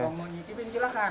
kalau mau nyicipin silahkan